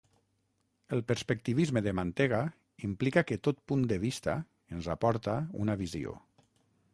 El perspectivisme de Mantega implica que tot punt de vista ens aporta una visió.